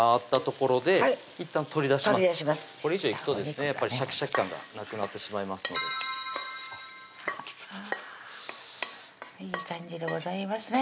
これ以上いくとですねシャキシャキ感がなくなってしまいますのでいい感じでございますね